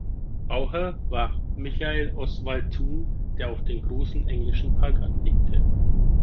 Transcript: Bauherr war Michael Oswald Thun, der auch den großen englischen Park anlegte.